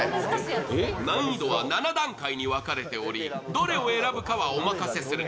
難易度は７段階に分かれておりどれを選ぶかはお任せする。